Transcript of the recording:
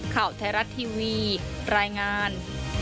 ข่าวไทยรัฐทีวีรายงาน